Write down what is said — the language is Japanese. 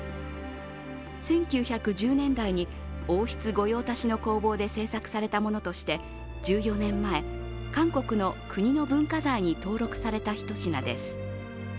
１９１０年代に王室御用達の工房で製作されたものとして１４年前、韓国の国の文化財に登録された一品です。